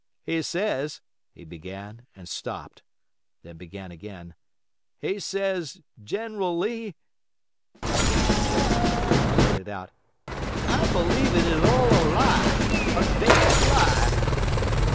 "He says," he began and stopped, then began again—"he says, General Lee—" again he choked, then blurted out, "I believe it is all a lie—a damned lie."